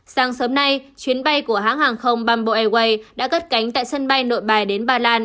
sáng sớm nay chuyến bay của hãng hàng không bamboo airways đã cất cánh tại sân bay nội bài đến ba lan